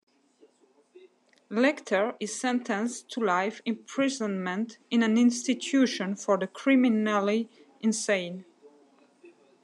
Lecter is sentenced to life imprisonment in an institution for the criminally insane.